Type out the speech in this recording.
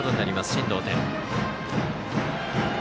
進藤天。